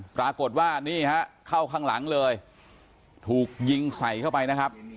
ปรากฏว่านี่ฮะเข้าข้างหลังเลยถูกยิงใส่เข้าไปนะครับ